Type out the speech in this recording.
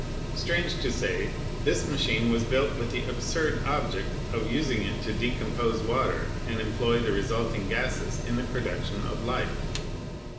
Strange to say, this machine was built with the absurd object of using it to decompose water and employ the resulting gases in the production of light."